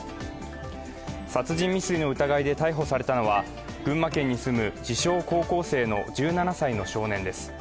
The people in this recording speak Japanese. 殺人未遂の疑いで逮捕されたのは群馬県に住む自称・高校生の１７歳の少年です。